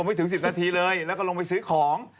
ไม่ถึง๑๐นาทีเลยแล้วก็ลงไปซื้อของ